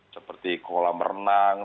seperti kolam renang